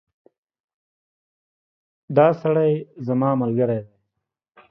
دا سړی زما ملګری دی